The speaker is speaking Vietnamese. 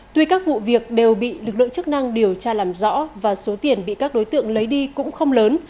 tuy các vụ việc đều bị lực lượng chức năng điều tra làm rõ và số tiền bị các đối tượng lấy đi cũng không lớn